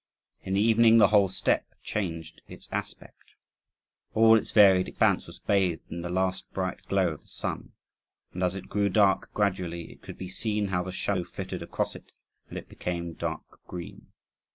In the evening the whole steppe changed its aspect. All its varied expanse was bathed in the last bright glow of the sun; and as it grew dark gradually, it could be seen how the shadow flitted across it and it became dark green.